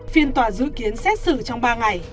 phiên tòa dự kiến xét xử trong ba ngày